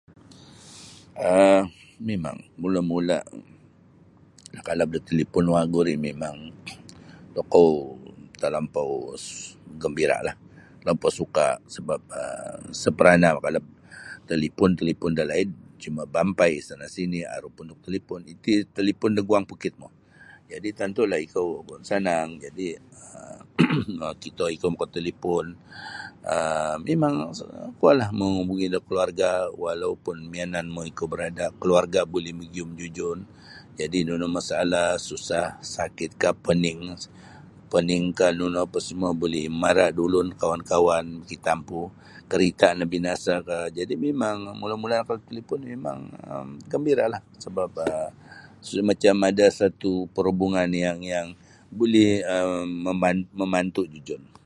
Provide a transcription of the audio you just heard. um Mimang mula'-mula' nakalap da talipon wagu ri mimang tokou talampau um gambira'lah talampau suka' sebap um sa paranah nakalap talipon-talipon dalaid cuma baampai sana sini' aru punduk talipon iti talipon da guang pukitmu tantu'lah ikou sanang jadi' mamakito ikou makatalipon um mimang kuolah mangubungi da keluarga' walaupun miyananmu ikou berada' keluarga' buli magiyum dijun jadi' nunu masalah susah sakitkah pening peningkah nunu apa' semua buli mamara' da ulun kawan-kawan mikitampu kerita' nabinasakah jadi' mimang mula'-mula' nakalap da talipon mimang gembira'lah sebap macam ada satu' perhubungan yang yang buli um maman mamantu' dijun.